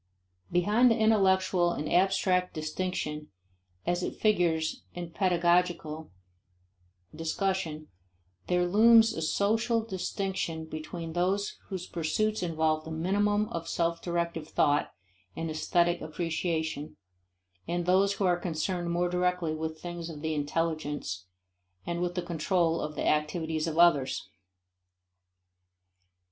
Behind the intellectual and abstract distinction as it figures in pedagogical discussion, there looms a social distinction between those whose pursuits involve a minimum of self directive thought and aesthetic appreciation, and those who are concerned more directly with things of the intelligence and with the control of the activities of others.